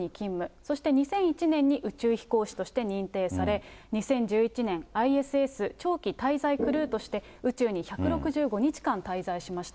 そして２００１年に宇宙飛行士として認定され、２０１１年、ＩＳＳ長期滞在クルーとして、宇宙に１６５日間滞在しました。